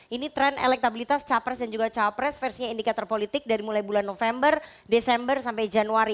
ini tren elektabilitas capres dan juga capres versinya indikator politik dari mulai bulan november desember sampai januari